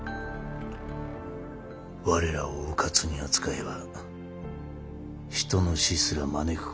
我らをうかつに扱えば人の死すら招くことがある。